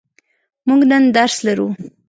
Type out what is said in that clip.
موږ نن درس لرو.